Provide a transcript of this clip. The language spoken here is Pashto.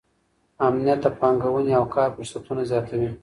امنیت د پانګونې او کار فرصتونه زیاتوي.